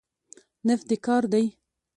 نفت د کار دی.